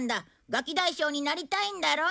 ガキ大将になりたいんだろ？